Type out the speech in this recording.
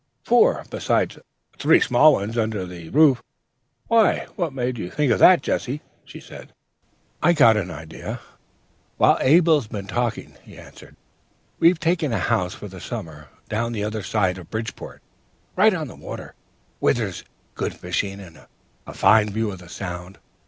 "'Four, besides three small ones under the roof. Why, what made you think of that, Jesse?' said she. "'I've got an idea, while Abel's been talking,' he answered. 'We've taken a house for the summer, down the other side of Bridgeport, right on the water, where there's good fishing and a fine view of the Sound.